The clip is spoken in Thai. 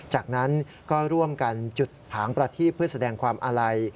จากนั้นก็ร่วมกันจุดผางประทีบเพื่อแสดงความอาลัย